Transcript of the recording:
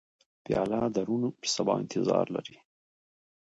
پیاله د روڼ سبا انتظار لري.